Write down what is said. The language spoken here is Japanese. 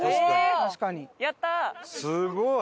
すごい！